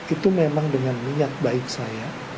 itu memang dengan niat baik saya